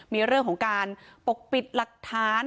มีเรื่องของการปกปิดหลักฐาน